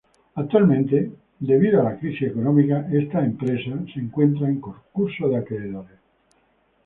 Actualmente, debido a la crisis económica, esta empresa se encuentra en concurso de acreedores.